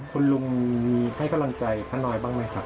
คุณลุงมีให้กำลังใจพระน้อยบ้างไหมครับ